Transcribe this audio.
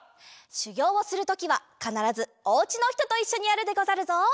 しゅぎょうをするときはかならずおうちのひとといっしょにやるでござるぞ。